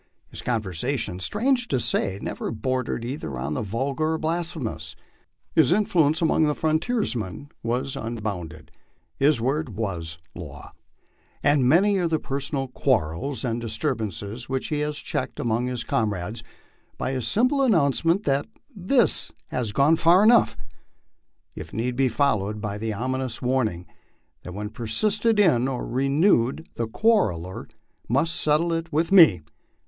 His conversation, strange to say, never bordered either on the vulgar or blasphemous. His influence among the frontiersmen was unbounded, his word was law ; and many are the personal quarrels and disturbances which he has checked among his comrades by his simple an nouncement that '* this has gone far enough," if need be followed by the ominous warning that when persisted in or renewed the quarreller " must settle it with me."